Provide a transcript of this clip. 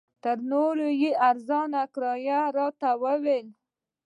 تر نورو یې ارزانه کرایه راته وویل.